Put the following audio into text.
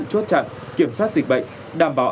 chốt chặn kiểm soát dịch bệnh đảm bảo